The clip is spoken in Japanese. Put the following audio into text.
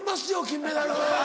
金メダル。